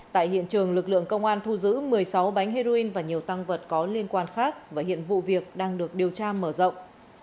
tại hiện trường lực lượng công an thu giữ một mươi sáu bánh heroin và nhiều tăng vật có liên quan khác và hiện vụ việc đang được điều tra mở rộng